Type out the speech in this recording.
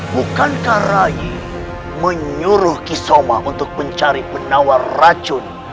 bukankah rayu menyuruh kisoma untuk mencari penawar racun